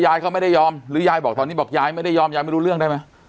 เขาไม่ได้ยอมหรือยายบอกตอนนี้บอกยายไม่ได้ยอมยายไม่รู้เรื่องได้ไหม